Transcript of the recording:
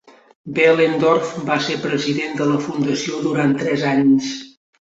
Behlendorf va ser president de la fundació durant tres anys.